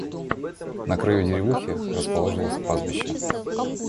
На краю деревухи расположилось пастбище.